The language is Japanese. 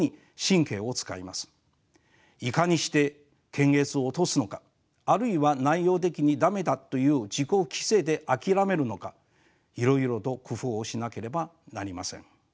いかにして検閲を通すのかあるいは内容的に駄目だという自己規制で諦めるのかいろいろと工夫をしなければなりません。